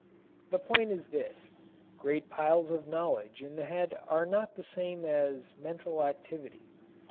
The point is this: Great piles of knowledge in the head are not the same as mental activity.